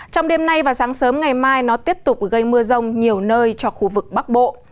trong đêm nay và sáng sớm ngày mai nó tiếp tục gây mưa rông nhiều nơi cho khu vực bắc bộ